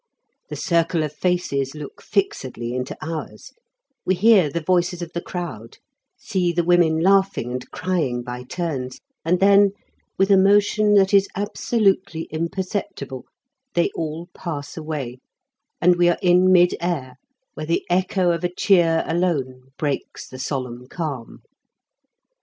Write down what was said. The circle of faces look fixedly into ours; we hear the voices of the crowd, see the women laughing and crying by turns, and then, with a motion that is absolutely imperceptible, they all pass away, and we are in mid air where the echo of a cheer alone breaks the solemn calm.